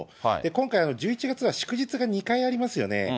今回、１１月は祝日が２回ありますよね。